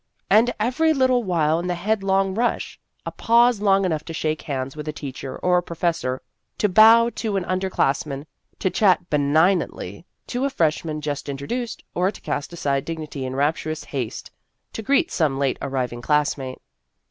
And every little while in the headlong rush, a pause long enough to shake hands with a teacher or a professor, to bow to an un derclassman, to chat benignantly to a freshman just introduced, or to cast aside dignity in rapturous haste to greet some late arriving classmate.